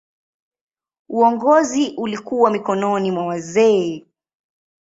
Uongozi ulikuwa mikononi mwa wazee.